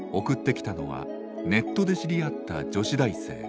送ってきたのはネットで知り合った女子大生。